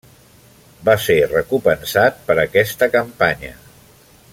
Va ser recompensat per aquesta campanya.